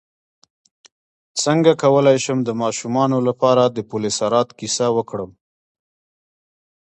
څنګه کولی شم د ماشومانو لپاره د پل صراط کیسه وکړم